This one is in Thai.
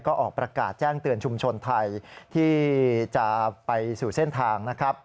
ก็ออกประกาศแจ้งเตือนชุมชนไทยที่จะไปสู่เส้นทางนะครับ